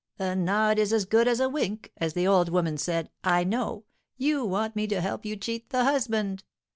'A nod is as good as a wink,' as the old woman said. I know! You want me to help you cheat the husband?